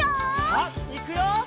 さあいくよ！